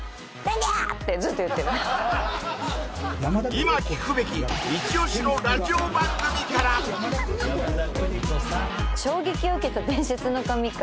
今聴くべきイチ推しのラジオ番組から衝撃を受けた伝説の神回